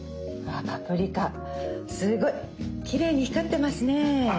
「パプリカすごいきれいに光ってますね」。